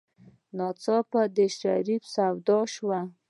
ناڅاپه د شريف سودا شوه.